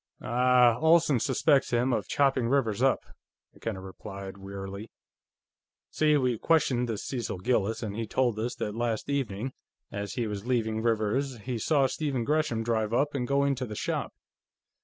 "Ah, Olsen suspects him of chopping Rivers up," McKenna replied wearily. "See, we questioned this Cecil Gillis, and he told us that last evening, as he was leaving Rivers's, he saw Stephen Gresham drive up and go into the shop.